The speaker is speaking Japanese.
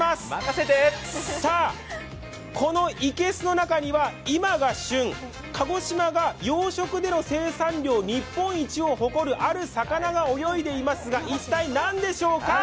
さあ、このいけすの中には今が旬、鹿児島が生産量日本一を誇る、ある魚が泳いでいますが一体なんでしょうか。